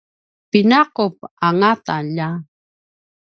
pina’upu angauta lja!